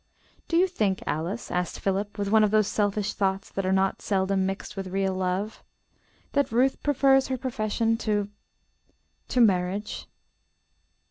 "Do you think, Alice," asked Philip with one of those selfish thoughts that are not seldom mixed with real love, "that Ruth prefers her profession to to marriage?"